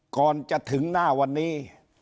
ก่อนจะถึงหน้าวันนี้